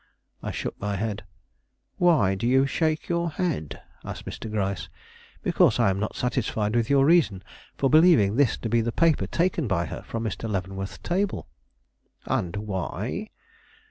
I shook my head. "Why do you shake your head?" asked Mr. Gryce. "Because I am not satisfied with your reason for believing this to be the paper taken by her from Mr. Leavenworth's table." "And why?"